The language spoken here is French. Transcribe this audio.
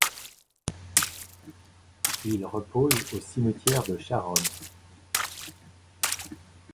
Il repose au cimetière de Charonne.